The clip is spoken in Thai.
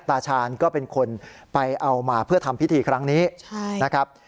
ตาชาญก็เป็นคนไปเอามาเพื่อทำพิธีครั้งนี้นะครับ